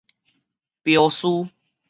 鏢書